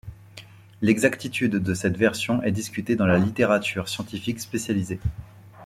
L'exactitude de cette version est discutée dans la littérature scientifique spécialisée.